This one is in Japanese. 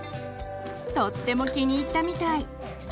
とっても気に入ったみたい！